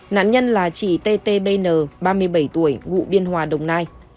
nạn nhân là chị tt bn ba mươi bảy tuổi ngụ biên hòa đồng nai